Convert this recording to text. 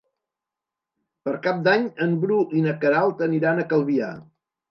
Per Cap d'Any en Bru i na Queralt aniran a Calvià.